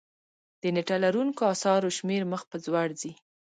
د نېټه لرونکو اثارو شمېر مخ په ځوړ ځي.